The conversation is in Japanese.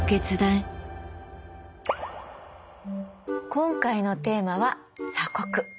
今回のテーマは「鎖国」。